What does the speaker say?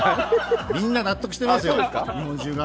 みんな納得してますよ、日本中が。